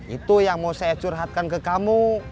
itu yang mau saya curhatkan ke kamu